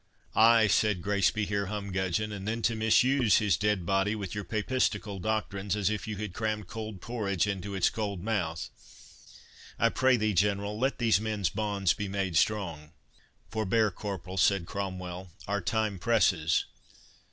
"Ay," said Grace be here Humgudgeon, "and then to misuse his dead body with your papistical doctrines, as if you had crammed cold porridge into its cold mouth. I pray thee, General, let these men's bonds be made strong." "Forbear, corporal," said Cromwell; "our time presses.